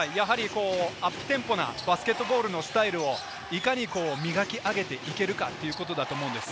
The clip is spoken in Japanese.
アップテンポなバスケットボールのスタイルを、いかに磨き上げていけるかということだと思うんです。